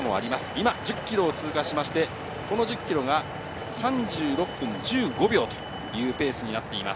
今、１０ｋｍを通過して、この１０ｋｍが３６分１５秒というペースになっています。